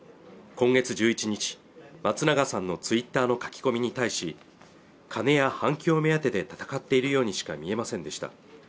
今月１１日松永さんのツイッターの書き込みに対し金や反響目当てで闘っているようにしか見えませんでした